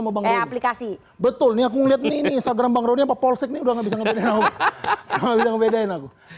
ambang aplikasi betul ini aku lihat ini instagram bang rony apa polsek nih udah nggak bisa ngapain aku